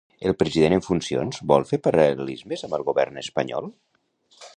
El president en funcions vol fer paral·lelismes amb el govern espanyol?